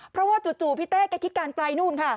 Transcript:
เพราะว่าจู่พี่เต้แกคิดการไกลนู่นค่ะ